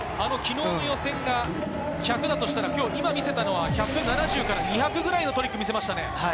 昨日の予選が１００だとしたら、今見せたのは１７０から２００ぐらいのトリック見せましたね。